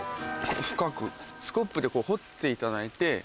深くスコップで掘っていただいて。